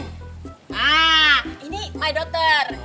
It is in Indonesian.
nah ini my daughter